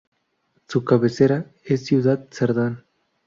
Su cabecera es Ciudad Serdán.